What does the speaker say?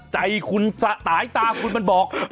ใจคุณสายตาคุณมันบอก